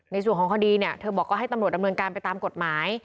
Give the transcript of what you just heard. ในส่วนของคดีเนี่ยเธอบอกก็ให้ตำรวจดำเนินการไปตามกฎหมาย